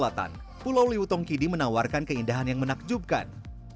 di pulau liwu tongkidi ini menempatkan keindahan yang menakjubkan